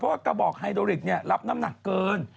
เพราะว่ากระบอกไฮโดริกเนี่ยรับน้ำหนักเกิน